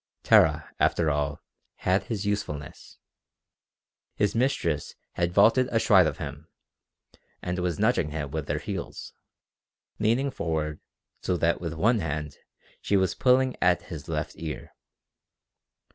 Tara, after all, had his usefulness. His mistress had vaulted astride of him, and was nudging him with her heels, leaning forward so that with one hand she was pulling at his left ear.